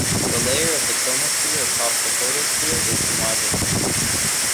The layer of the chromosphere atop the photosphere is homogeneous.